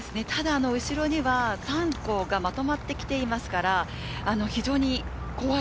後ろには３校がまとまってきていますから、非常に怖い。